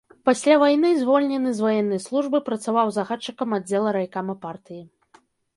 Пасля вайны звольнены з ваеннай службы, працаваў загадчыкам аддзела райкама партыі.